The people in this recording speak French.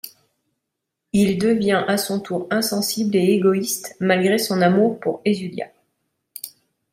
Il devient à son tour insensible et égoiste malgré son amour pour Ezzulia.